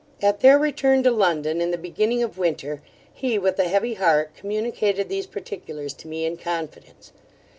At their return to London in the beginning of winter, he, with a heavy heart, communicated these particulars to me in confidence.